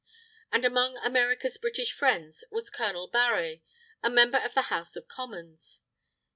And among America's British friends, was Colonel Barré, a member of the House of Commons.